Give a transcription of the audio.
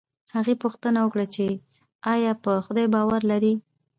هغې پوښتنه وکړه چې ایا په خدای باور لرې